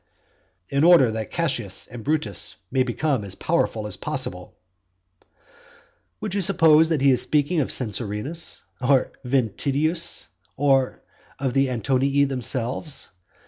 "In order that Cassius and Brutus may become as powerful as possible." Would you suppose that he is speaking of Censorinus, or of Ventidius, or of the Antonii themselves.